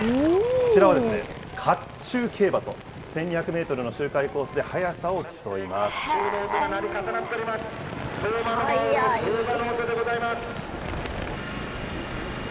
こちらは甲冑競馬と、１２００メートルの周回コースで速さを競い速い。